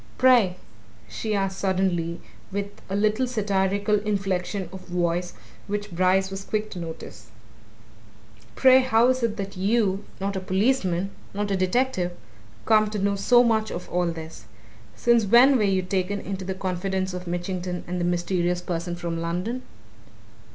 "Pray," she asked suddenly, and with a little satirical inflection of voice which Brice was quick to notice, "pray, how is it that you not a policeman, not a detective! come to know so much of all this? Since when were you taken into the confidence of Mitchington and the mysterious person from London?"